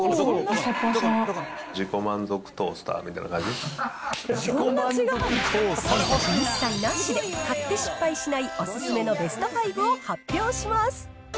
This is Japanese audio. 自己満足トースターみたいなそんたく一切なしで、買って失敗しないお勧めのベスト５を発表します。